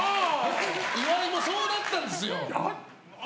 岩井もそうなったんですよ。